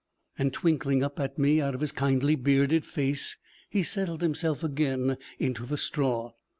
And twinkling up at me out of his kindly bearded face, he settled himself again into the straw.